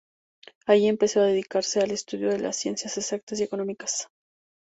Allí empezó a dedicarse al estudio de las Ciencias Exactas y Económicas.